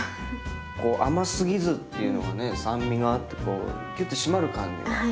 こう甘すぎずっていうのがね酸味があってキュッと締まる感じが。